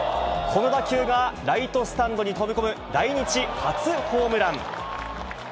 この打球がライトスタンドに飛び込む来日初ホームラン。